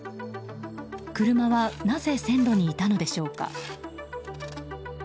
車はなぜ線路にいたのでしょうか。